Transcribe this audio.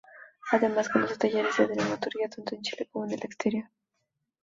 Además, conduce talleres de dramaturgia tanto en Chile como en el exterior.